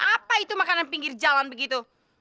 apa itu makanan pinggir jalan begitu